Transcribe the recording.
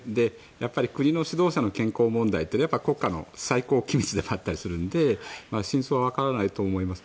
やっぱり国の指導者の健康問題って国家の最高機密でもあったりするので真相はわからないと思います。